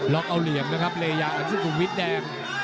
ล็อคเอาเหลี่ยมนะครับระยะอันสุกุวิทย์แดง